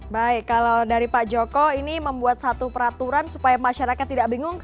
baik kalau dari pak joko ini membuat satu peraturan supaya masyarakat tidak bingung